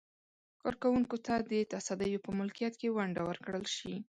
کارکوونکو ته د تصدیو په ملکیت کې ونډه ورکړل شي.